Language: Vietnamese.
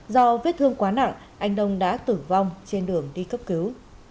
do vết thương quá nặng anh đông đã tử vong trên đường đi cấp cứu